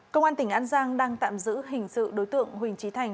công an tỉnh an giang đang tạm giữ hình sự đối tượng huỳnh trí thành